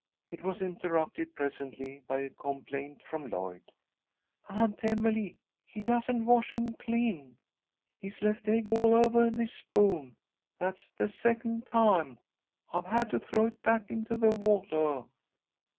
It was interrupted presently by a complaint from Lloyd. "Aunt Emily, he doesn't wash 'em clean! He's left egg all ovah this spoon. That's the second time I've had to throw it back into the watah."